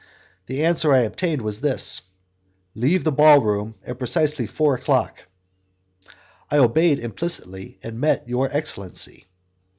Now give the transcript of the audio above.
The answer I obtained was this: 'Leave the ball room precisely at four o'clock.' I obeyed implicitly, and met your excellency."